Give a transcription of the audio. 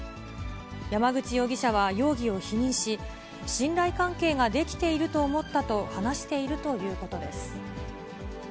山口容疑者は容疑を否認し、信頼関係ができていると思ったと話しているということです。